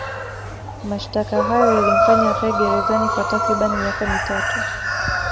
Mashtaka hayo yalimfanya akae gerezani kwa takribani miaka mitatu